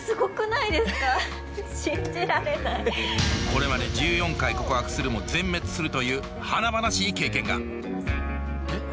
これまで１４回告白するも全滅するという華々しい経験が。